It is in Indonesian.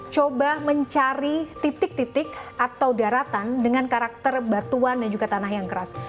coba mencari titik titik atau daratan dengan karakter batuan dan juga tanah yang keras